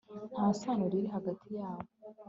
nta sano riri hagati yabo